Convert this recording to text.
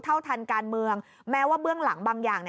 เท่าทันการเมืองแม้ว่าเบื้องหลังบางอย่างเนี่ย